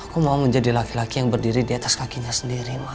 aku mau menjadi laki laki yang berdiri di atas kakinya sendiri